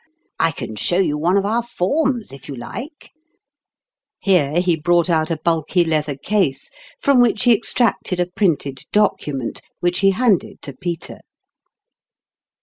I can show you one of our forms if you like ?" Here he brought out a bulky leather case, from which he extracted a printed document, which he handed to Peter.